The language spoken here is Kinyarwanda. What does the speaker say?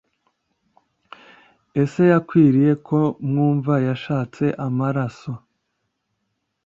ese yakwiriye ko wumva yashatse amaraso